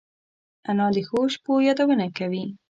انا د ښو شپو یادونه کوي